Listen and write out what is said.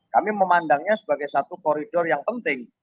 kami memandangnya sebagai satu koridor yang penting